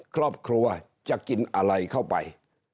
ครอบครัวจะกินอะไรเข้าไป